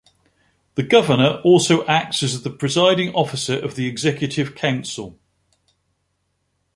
The Governor also acts as the Presiding Officer of the Executive Council.